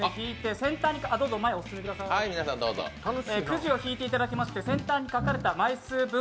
くじを引いていただきまして、先端に書かれた枚数分